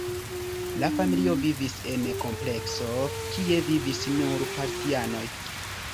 La familio vivis en komplekso, kie vivis nur partianoj.